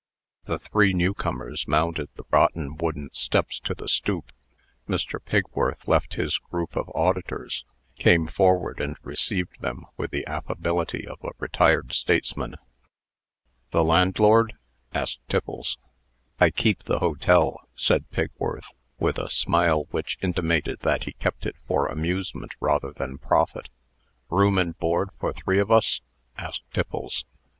The three newcomers mounted the rotten wooden steps to the stoop. Mr. Pigworth left his group of auditors, came forward, and received them with the affability of a retired statesman. "The landlord?" asked Tiffles. "I keep the hotel," said Pigworth, with a smile which intimated that he kept it for amusement rather than profit. "Room and board for three of us?" asked Tiffles.